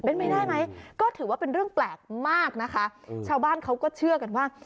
เป็นไปได้ไหมก็ถือว่าเป็นเรื่องแปลกมากนะคะชาวบ้านเขาก็เชื่อกันว่า